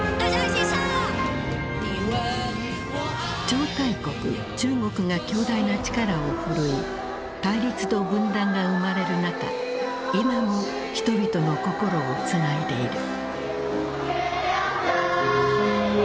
超大国・中国が強大な力を振るい対立と分断が生まれる中今も人々の心をつないでいる。